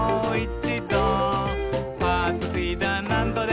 「パーツフィーダーなんどでも」